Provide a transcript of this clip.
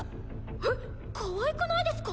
えっかわいくないですか？